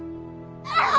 ああ！